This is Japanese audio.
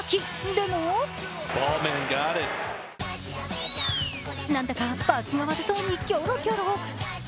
でも何だかバツが悪そうにキョロキョロ。